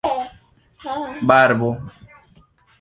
barbo